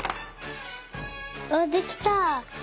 あっできた！